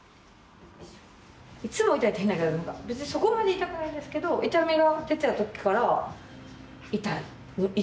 いつも痛いって変な言い方別にそこまで痛くないんですけど痛みが出ている時から痛い。